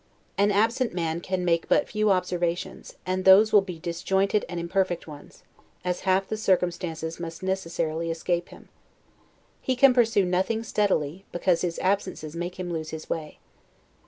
An absent man can make but few observations; and those will be disjointed and imperfect ones, as half the circumstance must necessarily escape him. He can pursue nothing steadily, because his absences make him lose his way.